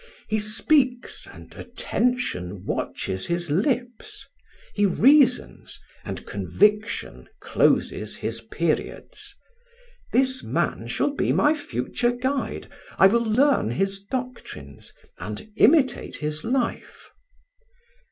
He speaks, and attention watches his lips. He reasons, and conviction closes his periods. This man shall be my future guide: I will learn his doctrines and imitate his life."